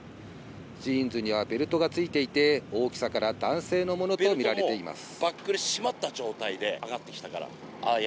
ジーンズにはベルトがついていて、大きさから男性のものとみられています。